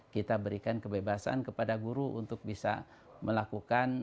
kita berikan kebebasan kepada guru untuk bisa melakukan